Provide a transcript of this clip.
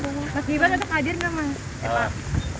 mas gibran ada hadir gak pak